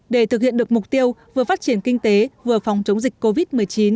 để thực hiện được mục tiêu vừa phát triển kinh tế vừa phòng chống dịch covid một mươi chín